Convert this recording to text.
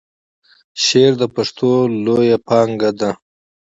شعر د پښتو لویه پانګه ده.